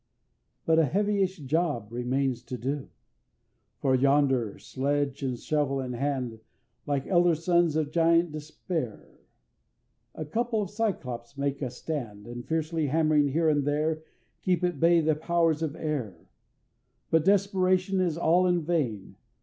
But a heavyish job remains to do! For yonder, sledge and shovel in hand, Like elder Sons of Giant Despair, A couple of Cyclops make a stand, And fiercely hammering here and there, Keep at bay the Powers of Air But desperation is all in vain!